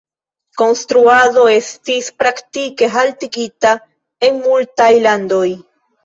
Konstruado estis praktike haltigita en multaj landoj.